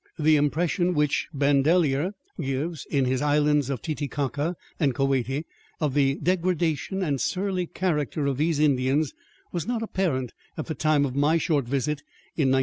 The impression which Bandelier gives, in his "Islands of Titicaca and Koati," of the degradation and surly character of these Indians was not apparent at the time of my short visit in 1915.